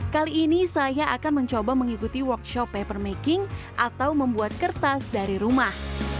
kali ini saya akan mencoba mengikuti workshop papermaking atau membuat kertas dari rumah